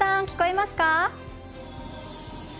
聞こえますか？